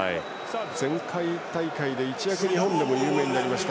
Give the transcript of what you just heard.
前回大会で一躍日本でも有名になりました。